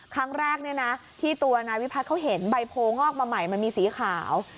ครั้งแรกที่ตัวนายวิพัฒน์เขาเห็นใบโพงอกมาใหม่มันมีสีขาว